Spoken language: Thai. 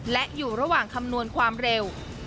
และอยู่ระหว่างคำนวณความเร็ว